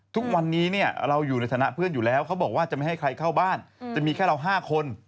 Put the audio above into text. ทุกวันนี้เนี่ยเราอยู่ในฐานะเพื่อนอยู่แล้วเขาบอกว่าจะไม่ให้ใครเข้าบ้านจะมีแค่เรา๕คน